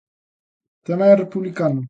Tamén é republicano.